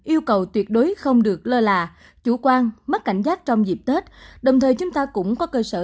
yêu cầu tuyệt đối không được lơ là chủ quan mất cảnh giác trong dịp tết đồng thời chúng ta cũng có cơ sở